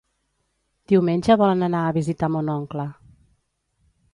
Diumenge volen anar a visitar mon oncle.